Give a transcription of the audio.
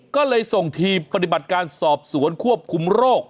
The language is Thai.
ก็เลยส่งทีมปฏิบัติการสอบสวนควบคุมโรค